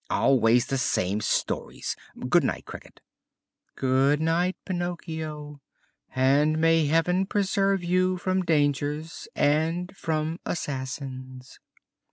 "Always the same stories. Good night, Cricket." "Good night, Pinocchio, and may Heaven preserve you from dangers and from assassins."